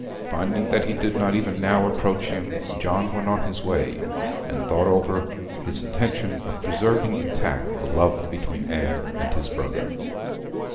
Finding that he did not even now approach him, John went on his way, and thought over his intention of preserving intact the love between Anne and his brother.